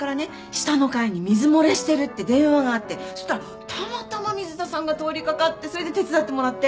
下の階に水漏れしてるって電話があってそしたらたまたま水田さんが通り掛かってそれで手伝ってもらって。